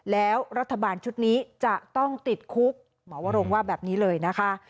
แล้วรัฐบาลชุดนี้จะต้องติดคุกหมอวรงว่าแบบนี้เลยนะคะ